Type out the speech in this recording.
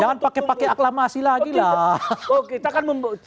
jangan pakai pakai aklamasi lagi lah